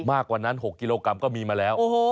มากกว่านั้น๖กิโลกรัมก็มีมาแล้ว